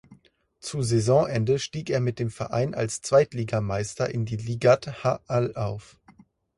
Zu Saisonende stieg er mit dem Verein als Zweitligameister in die Ligat ha’Al auf.